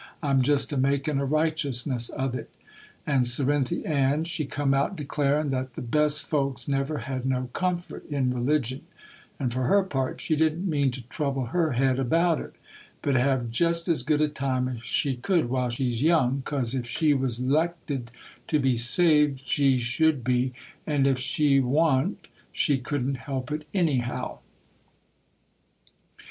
I'm jest a makin' a righteousness of it." And Cerinthy Ann she come out, declarin' that the best folks never had no comfort in religion; and for her part she didn't mean to trouble her head about it, but have jest as good a time as she could while she's young, 'cause if she was 'lected to be saved she should be, and if she wa'n't she couldn't help it, any how.